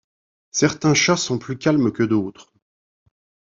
Certains chats sont plus calmes que d'autres.